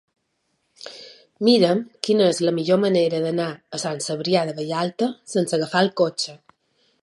Mira'm quina és la millor manera d'anar a Sant Cebrià de Vallalta sense agafar el cotxe.